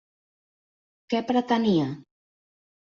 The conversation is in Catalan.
Què pretenia?